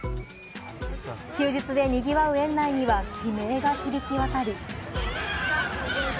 休日で賑わう園内には、悲鳴が響き渡り。